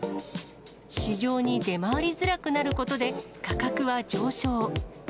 市場に出回りづらくなることで、価格は上昇。